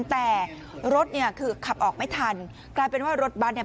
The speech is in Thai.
แต่รถเนี่ยคือขับออกไม่ทันกลายเป็นว่ารถบัสเนี่ย